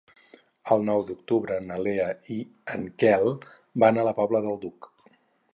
El nou d'octubre na Lea i en Quel van a la Pobla del Duc.